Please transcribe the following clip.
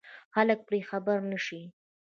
خلک پرې خبر نه شي.